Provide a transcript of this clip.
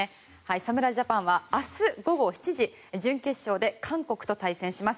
侍ジャパンは明日午後７時準決勝で韓国と対戦します。